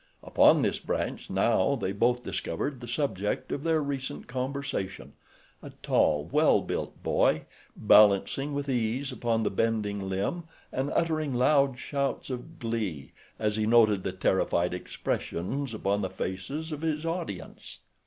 Upon this branch now they both discovered the subject of their recent conversation, a tall, well built boy, balancing with ease upon the bending limb and uttering loud shouts of glee as he noted the terrified expressions upon the faces of his audience.